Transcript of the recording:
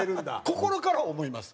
心から思います